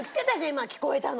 今聞こえたの。